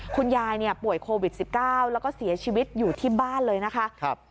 คุณยายป่วยโควิด๑๙แล้วก็เสียชีวิตอยู่ที่บ้านเลยนะคะ